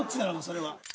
それは。